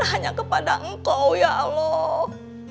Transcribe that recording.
hanya kepada engkau ya allah